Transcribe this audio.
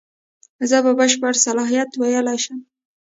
زه په بشپړ صلاحیت ویلای شم.